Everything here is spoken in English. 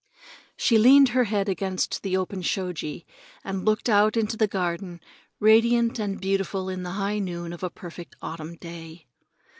She leaned her head against the open shoji and looked out into the garden, radiant and beautiful in the high noon of a perfect autumn day.